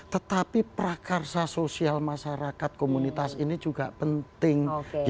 tetapi prakarsa sosial masyarakat komunitas ini juga penting